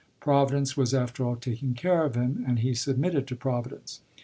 Providence was after all taking care of him and he submitted to Providence.